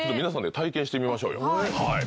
してみましょうよ。